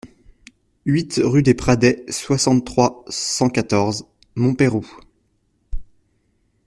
huit rue des Pradets, soixante-trois, cent quatorze, Montpeyroux